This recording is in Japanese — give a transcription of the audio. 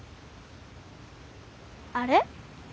あれ？